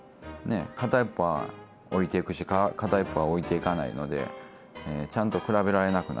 片一方は老いていくし片一方は老いていかないのでちゃんと比べられなくなると。